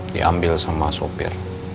diambil sama sopir